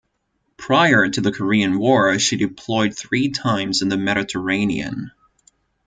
Prior to the Korean War, she deployed three times in the Mediterranean.